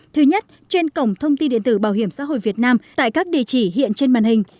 thứ nhất trên cổng thông tin điện tử bảo hiểm xã hội việt nam tại các địa chỉ hiện trên màn hình